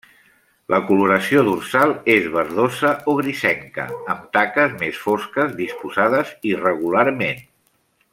La coloració dorsal és verdosa o grisenca amb taques més fosques, disposades irregularment.